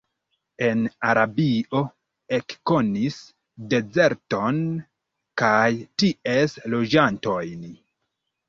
En Arabio ekkonis dezerton kaj ties loĝantojn.